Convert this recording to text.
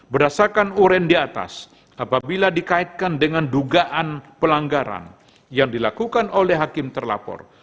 berdasarkan uren di atas apabila dikaitkan dengan dugaan pelanggaran yang dilakukan oleh hakim terlapor